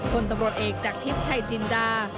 ผลตำรวจเอกจากทิพย์ชัยจินดา